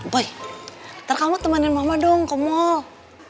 boy nanti kamu temanin mama dong ke mall